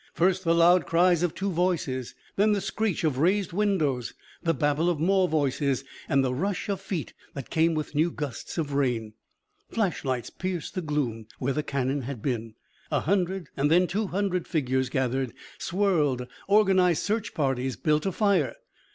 First the loud cries of two voices. Then the screech of raised windows, the babble of more voices, and the rush of feet that came with new gusts of rain. Flash lights pierced the gloom. Where the cannon had been, a hundred and then two hundred figures gathered, swirled, organized search parties, built a fire.